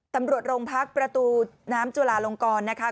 ตำรวจโรงพักประตูน้ำจุลาลงกรนะคะ